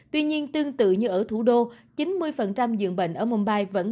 tuy nhiên tương tự như ở thủ đô chín mươi dưỡng bệnh ở mumbai